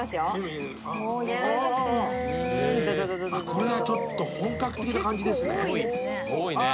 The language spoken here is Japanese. これはちょっと本格的な感じですね。